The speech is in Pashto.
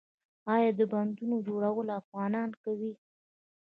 آیا د بندونو جوړول افغانان کوي؟